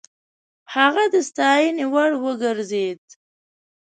هغه د ستاينې وړ وګرځېد.